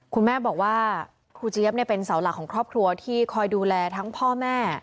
คุณแม่บอกว่าครูเจี๊ยบเป็นเสาหลักของครอบครัวที่คอยดูแลทั้งพ่อแม่